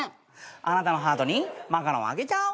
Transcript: あなたのハートにマカロンあげちゃう。